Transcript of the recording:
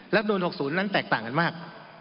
รับนูล๖๐นั้นแตกต่างกันมาก